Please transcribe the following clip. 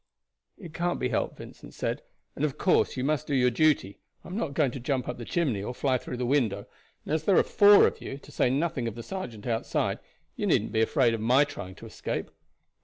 "It can't be helped," Vincent said; "and of course you must do your duty. I am not going to jump up the chimney or fly through the window, and as there are four of you, to say nothing of the sergeant outside, you needn't be afraid of my trying to escape."